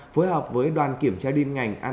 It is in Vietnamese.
phối hợp với đoàn kiểm tra điên ngành